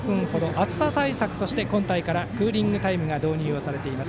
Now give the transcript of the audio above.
暑さ対策として今回からクーリングタイムが導入されています。